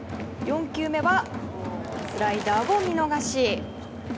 ４球目はスライダーを見逃し。